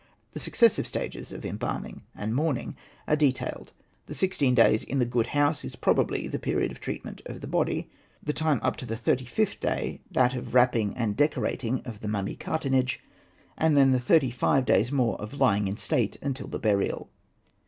The successive stages of embalming and mourning are detailed. The sixteen days in the Good House is probably the period of treatment of the body, the time up to the thirty fifth day that of wrapping and decora tion of the mummy cartonnage, and then the thirty five days more of lying in state until the burial.